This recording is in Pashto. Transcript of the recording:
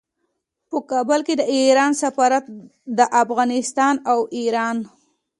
په کابل کې د ایران سفارت د افغانستان او ایران